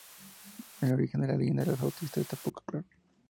El origen de la leyenda del flautista está poco claro.